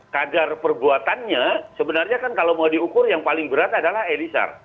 kadar perbuatannya sebenarnya kan kalau mau diukur yang paling berat adalah elizar